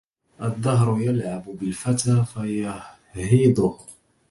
الدهر يلعب بالفتى فيهيضه